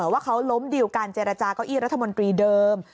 ว่าเขาล้มดิวการเจรจาเก้าอี้รัฐมนตรีเดิม